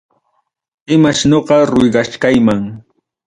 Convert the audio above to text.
Imach ñoqa ruigachkayman.